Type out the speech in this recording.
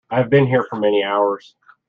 I have been here for many hours.